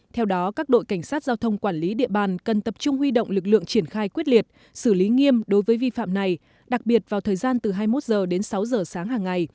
theo đó các đội cảnh sát giao thông quản lý địa bàn cần tập trung huy động lực lượng triển khai quyết liệt xử lý nghiêm đối với vi phạm này đặc biệt vào thời gian từ hai mươi một h đến sáu h sáng hàng ngày